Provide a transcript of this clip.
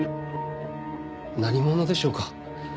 何者でしょうか？